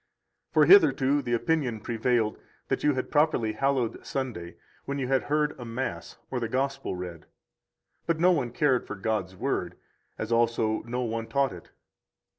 97 For hitherto the opinion prevailed that you had properly hallowed Sunday when you had heard a mass or the Gospel read; but no one cared for God's Word, as also no one taught it.